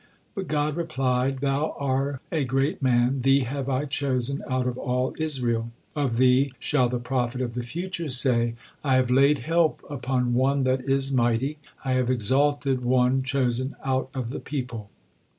But God replied: "Thou are a great man, thee have I chosen out of all Israel. Of thee shall the prophet of the future say, 'I have laid help upon one that is mighty; I have exalted on chosen out of the people.'"